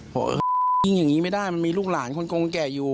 บอกเออยิงอย่างนี้ไม่ได้มันมีลูกหลานคนกงแก่อยู่